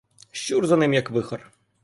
Щур за ним як вихор.